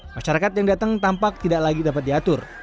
masyarakat yang datang tampak tidak lagi dapat diatur